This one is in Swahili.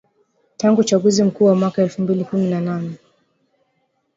tangu uachaguzi mkuu wa mwaka elfu mbili na kumi na nane